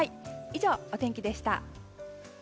以上、お天気でした。